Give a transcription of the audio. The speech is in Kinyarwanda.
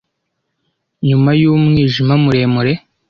Nyuma y'umwijima muremure,